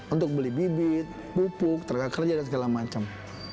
untuk beli bibit pupuk tenaga kerja dan segala macam